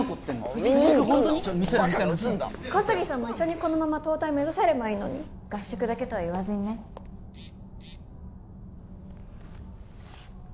見せろ見せろ見せろバカがうつんだろ小杉さんも一緒にこのまま東大目指せればいいのに合宿だけとは言わずにねえっ